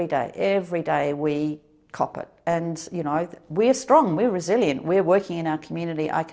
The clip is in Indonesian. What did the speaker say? dan saya bisa melihat bagaimana